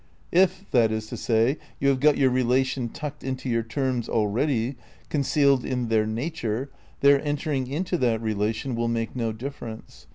If, that is to say, you have got your relation tucked into your terms already — concealed in their "nature" — their entering into that relation will make no difference.